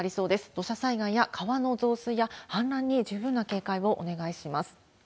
土砂災害や、川の増水や氾濫に十分な警戒をお願いします。